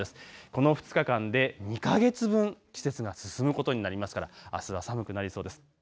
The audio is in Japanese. この２日間で２か月分、季節が進むことになりますから、あすは寒くなりそうです。